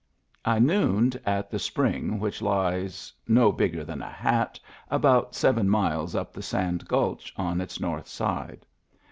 I nooned at the spring which lies, no bigger than a hat, about seven miles up the Sand Gulch on its north side.